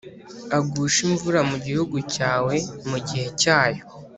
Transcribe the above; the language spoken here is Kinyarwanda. agushe imvura mu gihugu cyawe mu gihe cyayo,